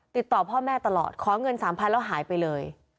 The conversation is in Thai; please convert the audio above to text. ติดต่อพ่อแม่ตลอดขอเงิน๓๐๐แล้วหายไปเลย